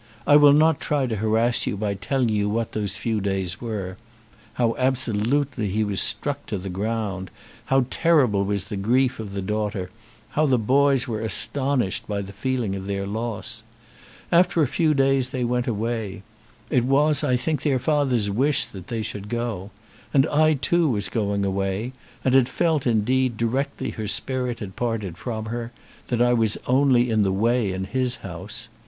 I will not try to harass you by telling you what those few days were; how absolutely he was struck to the ground, how terrible was the grief of the daughter, how the boys were astonished by the feeling of their loss. After a few days they went away. It was, I think, their father's wish that they should go. And I too was going away, and had felt, indeed, directly her spirit had parted from her, that I was only in the way in his house.